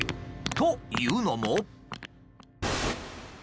というのも。